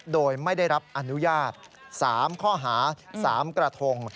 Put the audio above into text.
โดยไม่ได้รับอนุญาต๓ข้อหา๓กระทง